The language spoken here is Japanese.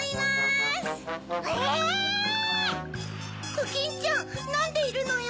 コキンちゃんなんでいるのよ？